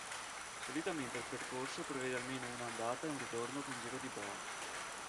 Solitamente il percorso prevede almeno una andata e un ritorno con giro di boa.